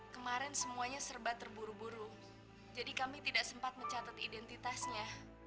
kemarin semuanya serba terburu buru jadi kami tidak sempat mencatat identitasnya